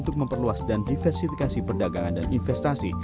untuk memperluas dan diversifikasi perdagangan dan investasi